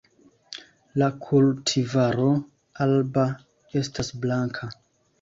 La kultivaro 'Alba' estas blanka.